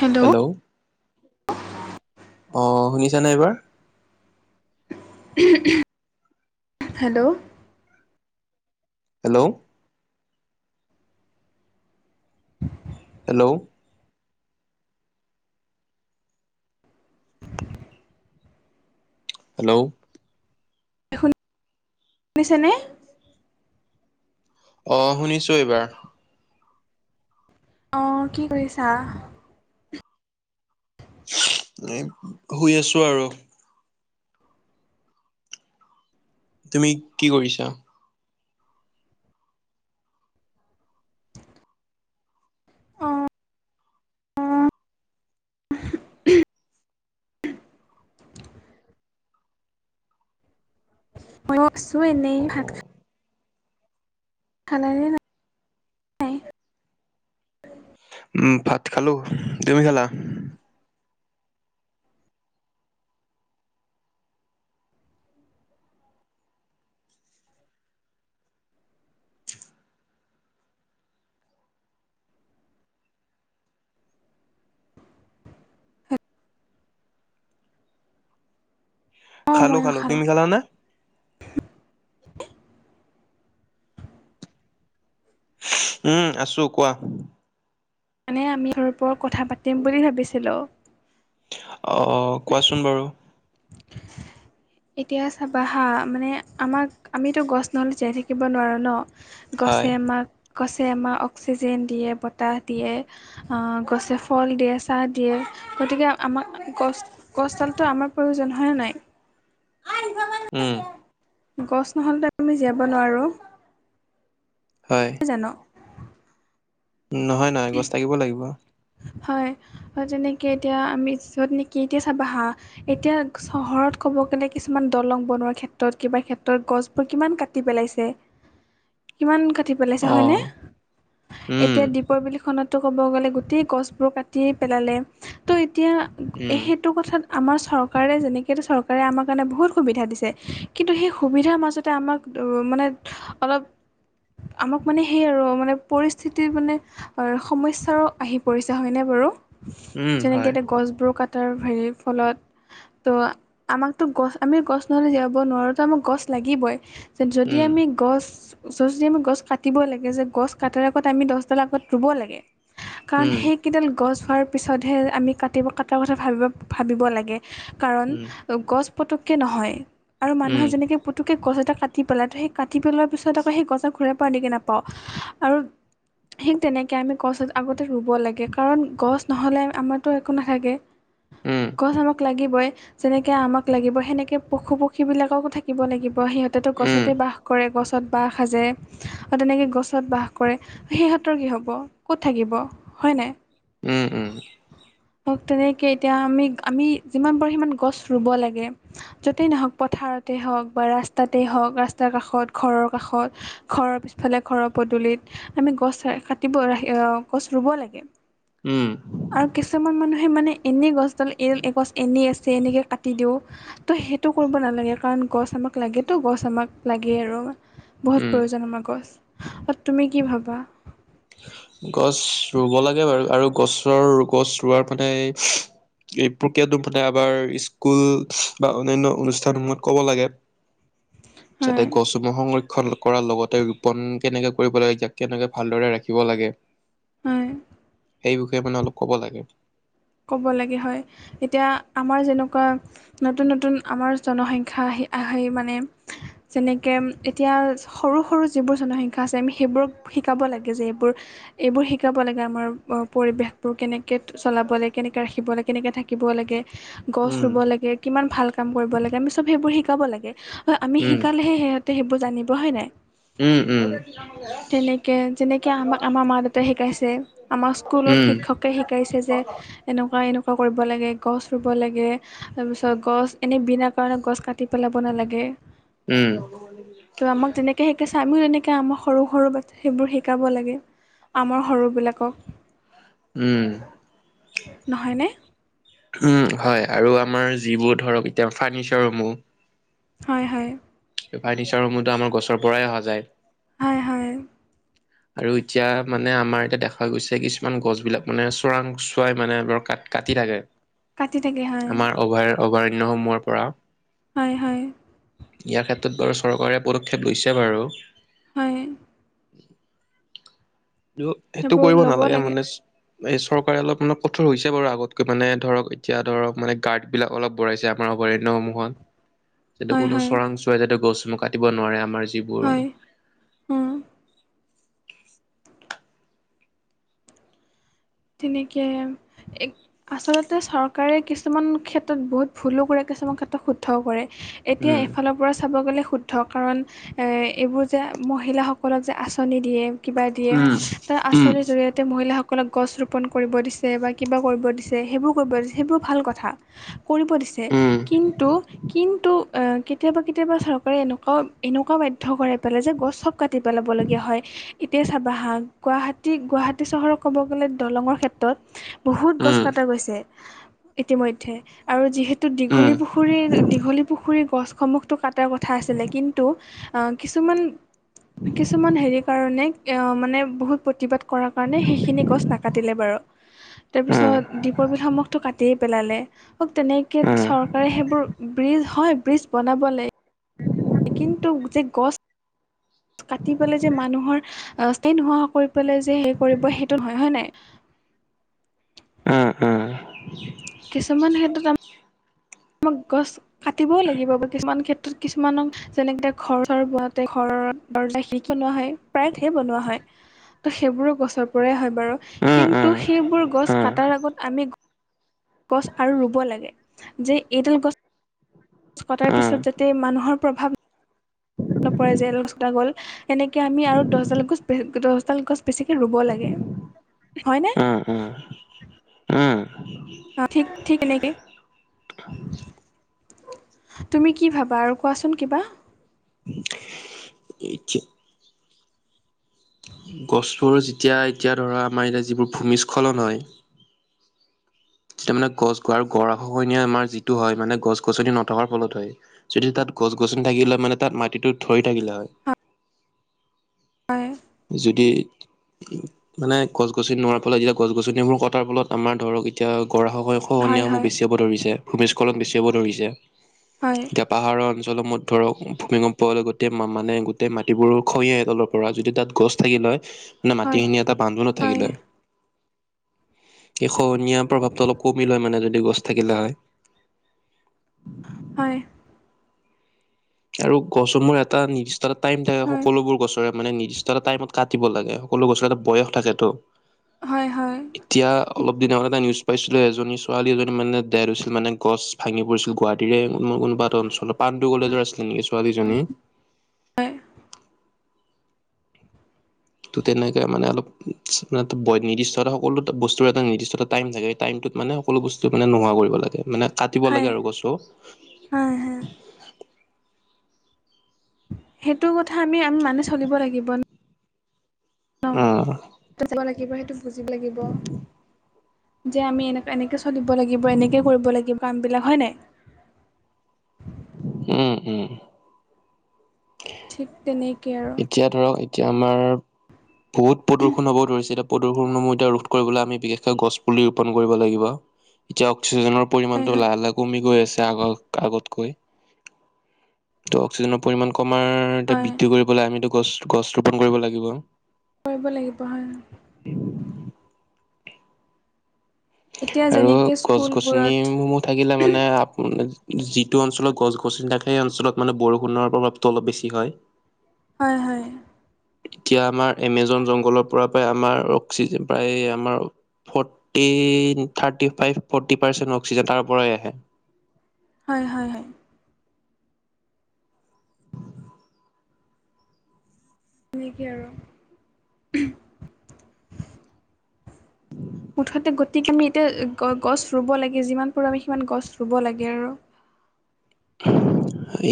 Hello hello অ শুনিছা নাই এইবাৰ? [unintelligible] Hello hello. হেল্ল'। হেল্ল'। শুনিছেনে? অ' শুনিছো এইবাৰ। অ' কি কৰিছা? এ, শুই আছো আৰু। তুমি কি কৰিছা? অঁ [unintelligible] মইয়ো আছো এনেই, ভাত খা খালানে নাই? উম, ভাত খালো। তুমি খালা? অঁ খালো ময়ো খালো, খালোঁ তুমি খালা নে? উম, আছোঁ, কোৱা। মানে আমি ঘৰৰ ওপৰত কথা পাতিম বুলি ভাবিছিলোঁ। আহ, কোৱাচোন বাৰু। এতিয়া চাবা হা, মানে আমাক আমিতো গছ নহ'লে জীয়াই থাকিব নোৱাৰোঁ ন। হয় গছে আমাক গছে আমাক অক্সিজেন দিয়ে, বতাহ দিয়ে। অঁ গছে ফল দিয়ে, চাহ দিয়ে, গতিকে আমাক গছ-গছডালটো আমাৰ প্ৰয়োজন হয়নে নাই? উম গছ নহলেটো আমি জীয়াব নোৱাৰোঁ। হয়। [unintelligible] নহয় নহয়, গছ থাকিব লাগিব। হয়, তেনেকে এতিয়া আমি য'ত নেকি এতিয়া চাবা হা এতিয়া চহৰত ক'ব গ'লে, কিছুমান দলং বনোৱাৰ ক্ষেত্ৰত, কিবা ক্ষেত্ৰত গছবোৰ কিমান কাটি পেলাইছে। [inaudible] কিমান কাটি পেলাইছে, অ হয়নে? উম এতিয়া দীপৰ বিলখনততো ক'ব গ'লে গোটেই গছ বোৰ কাটিয়েই পেলালে, ত' এতিয়া উম সেইটো কথাত আমাৰ চৰকাৰে যেনেকে এইটো চৰকাৰে আমাৰ কাৰণে বহুত সুবিধা দিছে, কিন্তু সেই সুবিধাৰ মাজতে আমাক কিন্তু, মানে অলপ আমাক মানে সেইয় আৰু, মানে পৰিস্থিতিৰ মানে সমস্যাৰ আহি পৰিছে। হয়নে বাৰু? উম হয় যেনেকে এতিয়া গছবোৰ কাটাৰ হেৰিৰ ফলত ত' আমাকতো গছ আমি গছ নহ'লে জীয়াব নোৱাৰোঁ, ত' আমাক গছ লাগিবই। যদি উম আমি গছ ওচৰত যদি আমি গছ কাটিবই লাগে, যে গছ কাটাৰ আগত আমি দহডাল আগত ৰুব লাগে। কাৰণ উম সেইকেইডাল গছ হোৱাৰ পিছতহে আমি কাটিব কাটাৰ কথা ভাবিব-ভাবিব লাগে। কাৰণ উম গছ পতককৈ নহয়, আৰু মানুহে উম যেনেকে পুতুককে গছ এটা কাটি পেলাই, সেই কাটি পেলোৱাৰ পিছত আকৌ সেই গছডাল ঘূৰাই পাও নেকি নাপাওঁ। আৰু [unintelligible] তেনেকে আমি গছ আগতে ৰুব লাগে। কাৰণ গছ নহ'লে আমাৰতো একো নাথাকে, উম গছ আমাক লাগ লাগিবই, যেনেকে আমাক লাগিব সেনেকে পশু-পক্ষী বিলাককো থাকিব লাগিব, সিহঁতেতো উম গছতেই বাস কৰে গছত বাঁহ সাজে, আৰু তেনেকে গছত বাস কৰে। সিহঁতৰ কি হ'ব ক'ত থাকিব হয় নাই উম উম হওক তেনেকে এতিয়া আমি আমি যিমান পাৰো সিমান গছ ৰুব লাগে। যতেই নহওক পথাৰতেই হওক বা ৰাস্তাতেই হওক ৰাস্তাৰ কাষত ঘৰৰ কাষত ঘৰৰ পিছফালে ঘৰৰ পদূলিত আমি গছ কাটিবই গছ ৰুব লাগে। উম আৰু কিছুমান মানুহে মানে এনেই গছডাল এ এগছ এনেই আছে এনেকে কাটি দিও। তো সেইটো কৰিব নালাগে কাৰণ গছ আমাক লাগেতো গছ আমাক লাগে আৰু বহুত উম প্ৰয়োজন আমাৰ গছ অ তুমি কি ভাবা গছ ৰুব লাগে বাৰু আৰু গছৰ গছ ৰুোৱাৰ মানে এই প্ৰক্ৰিয়াটো মানে আমাৰ স্কুল বা অন্যান্য অনুষ্ঠান সমূহত ক'ব লাগে। যাতে হয় গছসমূহ সংৰ ক্ষণ কৰাৰ লগতে ৰোপণ কেনেকে কৰিব লাগে ইয়াক কেনেকে ভালদৰে ৰাখিব লাগে। হয়। সেই বিষয়ে মানে অলপ ক'ব লাগে। ক'ব লাগে হয় এতিয়া আমাৰ যেনেকোৱা নতুন নতুন আমাৰ জনসংখ্যা আহি আহে মানে যেনেকে এতিয়া সৰু সৰু যিবোৰ জনসংখ্যা আছে আমি সেইবোৰক শিকাব লাগে যে এইবোৰ এইবোৰ শিকাব লাগে আমাৰ পৰিৱেশবোৰ কেনেকে চলাব লাগে কেনেকে ৰাখিব লাগে কেনেকে থাকিব লাগে গছ উম, ৰুব লাগে। কিমান ভাল কাম কৰিব লাগে আমি চব সেইবোৰ শিকাব লাগে হয় আমি উম, শিকালেহে সিহঁত তে সেইবোৰ জানিব হয় নাই। উম, উম, তেনেকে যেনেকে আমাক আমাৰ মা দেউতাই শিকাইছে। আমাৰ স্কুলত উম, শিক্ষকে শিকাইছে যে এনেকোৱা এনেকোৱা কৰিব লাগে গছ ৰুব লাগে তাৰ পিছত গছ এনেই বিনা কাৰণত গছ কাটি পেলাব নালাগে। উম, ত' আমাক তেনেকে শিকাইছে আমিও তেনেকে আমাক সৰু সৰু বা সেইবোৰ শিকাব লাগে আমাৰ সৰুবিলাকক উম নহয়নে উম হয় আৰু আমাৰ যিবোৰ ধৰক এতিয়া ফাৰ্ণিচাৰসমূহ হয় হয় সেই ফাৰ্নিচাৰসমূহতো আমাৰ গছৰ পৰাই অহা যায় হয় হয় আৰু এতিয়া মানে আমাৰ এতিয়া দেখা গৈছে কিছুমান গছ বিলাক মানে চোৰাং চোৱাই মানে বাৰ কাট কাটি থাকে কাটি থাকে হয় আমাৰ অভয়াৰ অভয়াৰণ্যসমূহৰ পৰা হয় হয় ইয়াৰ ক্ষেত্ৰত বাৰু চৰকাৰে পদক্ষেপ লৈছে বাৰু হয়। সেইটো সেইটো সেইবোৰ কৰিব ল'ব নালাগে লাগে মানে এই চৰকাৰে অলপ মানে কঠোৰ হৈছে বাৰু আগতকে মানে ধৰক এতিয়া ধৰক মানে গাৰ্ড বিলাক অলপ বঢ়াইছে আমাৰ অভয়াৰণ্যসমূহত এইটো হয় কোনো হয় চোৰাং চোৱাই যাতে গছসমূহ কাটিব নোৱাৰে আমাৰ যিবোৰ হয় উম তেনেকে এক আচলতে চৰকাৰে কিছুমান ক্ষেত্ৰত বহুত ভুলো কৰে কিছুমান ক্ষেত্ৰত শুদ্ধও কৰে এতিয়া উম এফালৰ পৰা চাব গ'লে শুদ্ধ কাৰণ এইবোৰ যে মহিলাসকলক যে আঁচনি দিয়ে- কিবা দিয়ে, উম তাৰ উম আঁচনিৰ জৰিয়তে মহিলাসকলক- গছ ৰোপণ কৰিব দিছে বা কিবা কৰিব দিছে সেইবোৰ কৰিব দিছে সেইবোৰ ভাল কথা। কৰিব দিছে উম কিন্তু কিন্তু- এ কেতিয়াবা কেতিয়াবা চৰকাৰে এনেকুৱা এনেকুৱা বাধ্য কৰাই পেলাই যে গছ চব কাটি পেলাবলগীয়া হয়। এতিয়া চাবা হাঁ গুৱাহাটী গুৱাহাটী চহৰক ক'ব গলে দলংৰ ক্ষেত্ৰত বহুত গছ উম উম কটা গৈছে ইতিমধ্য আৰু যিহেতু- দীঘলী উম পুখুৰী-দীঘলী পুখুৰীৰ গছসমূহটো কাট টা কথা আছিলে কিন্তু কিছুমান কিছুমান হেৰি কাৰণে মানে বহুত প্ৰতিবাদ কৰাৰ কাৰণে সেইখিনি গছ- নাকাটিলে বাৰু উম উম তাৰপিছত দীপৰ বিল সন্মুখতো কাটিয়েই পেলালে। হক তেনেকে উম চৰকাৰে সেইবোৰ ব্ৰিজ হয় ব্ৰিজ বনাব লাগে। [unintelligible] কিন্তু যে গছ কাটি পেলাই যে মানুহৰ- স্তাই নোহোৱা কৰি পেলাই যে সেই কৰিব সেইটো নহয়, হয় নাই। উম উম। কিছুমান ক্ষেত্ৰত আ- আমাক গছ কাটিবও লাগিব বা কিছুমান ক্ষেত্ৰত কিছুমানক- যেনেকে ঘৰ চৰ বনাওঁতে ঘৰৰ দৰ্জা খিৰিকি বনোৱা হয়। প্ৰায় থেৰ বনোৱা হয়, সেইবোৰো গছৰ পৰাই হয়- বাৰু উম উম কিন্তু সেইবোৰ গছ উম কটাৰ আগত আমি- গছ আৰু ৰুব লাগে যে এডাল গছ- গছ কটাৰ উম, পিছত যাতে মানুহৰ প্ৰভাৱ নপৰে যে গছ কটা গ'ল। সেনেকে আমি আৰু দহডাল গছ দহডাল গছ বেছিকে ৰুব লাগে, হয় নে। উম উম। উম। অঁ, ঠিক ঠিক এনেকে। তুমি কি ভাবা আৰু কোৱাচোন কিবা? [unintelligible] এইতোৱে। গছবোৰ যেতিয়া এতিয়া ধৰা আমাৰ ইয়াত যিবোৰ ভূমিস্খলন হয়- যেতিয়া মানে গছ আৰু গৰা খহনীয়া আমাৰ যিটো হয় মানে গছ-গছনি নথকাৰ ফলত হয়। যদি তাত গছ-গছনি থাকিলে হয় মানে তাত মাটিটো ধৰি থাকিলে হয়। [unintelligible] হয়। যদি- মানে গছ-গছনি নোহোৱাৰ ফলত যেতিয়া গছ-গছনিসমূহ কটাৰ ফলত আমাৰ ধৰক এতিয়া গৰা খহ- হয়, খহনীয়াসমূহ হয়, বেছি হ'ব ধৰিছে, ভূমিস্খলন বেছি হ'ব ধৰিছে। হয়। এতিয়া পাহাৰৰ অঞ্চলসমূহত ধৰক ভূমিকম্প হ'লে গোটেই মানে গোটেই মাটিবোৰ খহি আহে তলৰ পৰা। যদি তাত- গছ থাকিল হয় মানে হয়, মাটিখিনি এটা বান্ধোনত থাকিল হয়। এই খনহনীয়া প্ৰভাৱটো অলপ কমিল হয় মানে যদি গছ থাকিলে হয়। হয়। আৰু গছসমূহ এটা নিৰ্দিষ্ট এটা টাইম থাকে হয়, সকলোবোৰ গছৰে। মানে নিৰ্দিষ্ট এটা টাইমত কাটিব লাগে, সকলো গছৰ এটা বয়স থাকেটো। হয় হয়। এতিয়া অলপ দিনৰ আগতে এটা নিউজ পাইছিলো এজনী ছোৱালী এজনী মানে দেত হৈছিল মানে গছ- ভাঙি পৰিছিল গুৱাহাটীৰে কোনোবা এটা অঞ্চলত পাণ্ডু কলেজৰ আছিলে নেকি ছোৱালীজনী? হয়। ত' তেনেকে মানে অলপ নিৰ্দিষ্ট এটা বয় নিৰ্দিষ্ট এটা সকলো এটা বস্তুৰ এটা নিৰ্দিষ্ট এটা টাইম থাকে। সেই টাইমটোত মানে সকলো বস্তু মানে নোহোৱা কৰিব লাগে মানে কাটিব হয়, লাগে আৰু গছবোৰ। হয়, হয়। সেইটো কথা আমি আমি মানি চলিব লাগিব ন'? অঁ। তই যাব লাগিব সেইটো বুজিব লাগিব। যে আমি এনেকে এনেকে চলিব লাগিব, এনেকে কৰিব লাগিব কামবিলাক হয় নাই? উম, উম। ঠিক তেনেকে আৰু। এতিয়া ধৰক এতিয়া আমাৰ বহুত প্ৰদূষণ হ'ব ধৰিছে দিয়ক প্ৰদূষণসমূহ এতিয়া ৰোধ কৰিবলে আমি বিশেষকে গছ পুলি ৰোপণ কৰিব লাগিব। এতিয়া অক্সিজেনৰ হয়, পৰিমাণটো হয়, লাহে লাহে কমি গৈ আছে আগত আগতকৈ। ত' অক্সিজেনৰ পৰিমাণ কমাৰ আৰু এতিয়া হয়, বৃদ্ধি কৰিবলে আমিতো গছ গছ ৰোপন কৰিব লাগিব। কৰিব লাগিব হয়। এতিয়া আৰু যেনেকে স্কুলবোৰত গছ-গছনিসমূহত থাকিলে মানে আপোনাৰ যিটো অঞ্চলত গছ-গছনি থাকে সেই অঞ্চলত মানে বৰষুণৰ প্ৰভাৱটো অলপ বেছি হয়। হয়, হয়। এতিয়া আমাৰ এমেজন জংঘলৰ পৰা প্ৰায় আমাৰ অক্সিজেন প্ৰায় আমাৰ forty, thirty five forty percent oxygen তাৰ পৰাই আহে। হয়, হয় হয়। সেনেকে আৰু। মুঠতে গতিকে, আমি এতিয়া গ গছ ৰুব লাগে। যিমান পাৰোঁ আমি সিমান গছ ৰুব লাগে আৰু।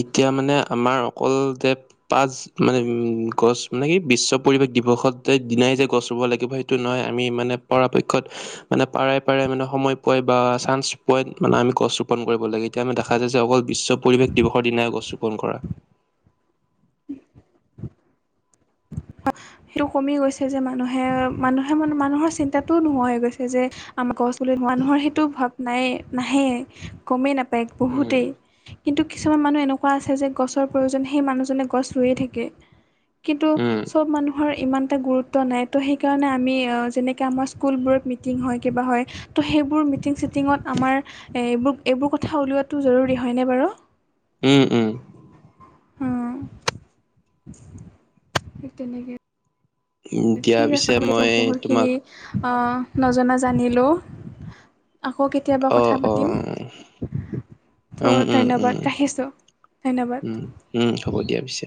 এতিয়া মানে আমাৰ অকল যে পাঁচ মানে ম গছ মানে কি? বিশ্ব পৰিৱেশ দিৱসত যে দিনাই যে গছ ৰুব লাগিব সেইটো নহয় আমি মানে পৰাপক্ষত মানে পাৰে পাৰে মানে সময় পোৱাই বা চান্স পোৱাই মানে আমি গছ ৰোপন কৰিব লাগে। এতিয়া আমি দেখা যায় যে অকল বিশ্ব পৰিৱেশ দিৱসৰ দিনাই গছ ৰোপন কৰা। আ সেইটো কমি গৈছে যে মানুহে--মানুহে মন মানুহৰ চিন্তাটোও নোহোৱা হৈ গৈছে যে আমা গছ বুলি। মানুহৰ সেইটো ভাৱ নাই, নাহেই, গমেই নাপায় উম বহুতেই। কিন্তু কিছুমান মানুহ এনেকুৱা আছে যে গছৰ প্ৰয়োজন সেই মানুহজনে গছ ৰুইয়ে থাকে। কিন্তু উম চব মানুহৰ ইমান এটা গুৰুত্ব নাই। ত' সেইকাৰণে আমি আ যেনেকে আমাৰ স্কুলবোৰত মিটিং হয়, কিবা হয়। ত' সেইবোৰ মিটিং -চিটিঙত আমাৰ এইবোৰ, এইবোৰ কথা উলিওৱাটো জৰুৰী হয়নে বাৰু? উম, উম। উম। তেনেকে উম, দিয়া ঠিক আছে পিছে আমি এতিয়া মই তোমাক বহুতখিনি অঁ, নজনা জানিলোঁ। আকৌ কেত তিয়াবা অ কথা অ পাতিম। উম ত' উম ধন্যবাদ উম ৰাখিছোঁ, ধন্যবাদ। উম উম, হ'ব দিয়া পিছে।